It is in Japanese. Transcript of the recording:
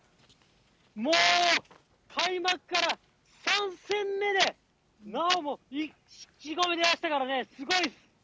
もう開幕から３戦目でなおもでしたからね、すごいっす。